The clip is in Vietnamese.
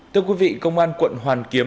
thưa quý vị công an quận hoàn kiếm